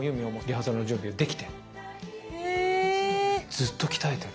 ずっと鍛えてる。